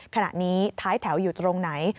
ขณะนี้ท้ายแถวอยู่ตรงไหน